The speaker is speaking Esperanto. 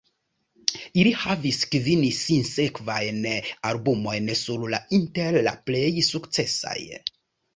Ili havis kvin sinsekvajn albumojn sur la inter la plej sukcesaj.